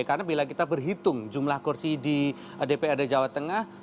karena bila kita berhitung jumlah kursi di dprd jawa tengah